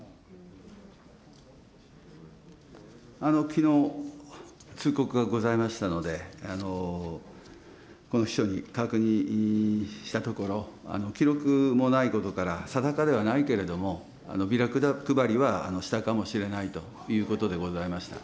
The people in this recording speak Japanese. きのう通告がございましたので、この秘書に確認したところ、記録もないことから、定かではないけれども、ビラ配りはしたかもしれないということでございました。